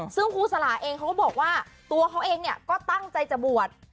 ซึ่งครูสลาเองเขาก็บอกว่าตัวเขาเองเนี่ยก็ตั้งใจจะบวช